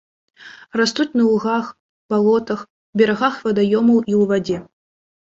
Растуць на лугах, балотах, берагах вадаёмаў і ў вадзе.